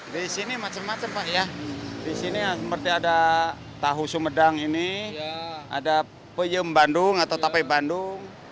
di sini macam macam pak ya di sini seperti ada tahu sumedang ini ada peyem bandung atau tape bandung